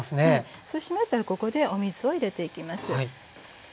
そうしましたらここでお水を入れていきます。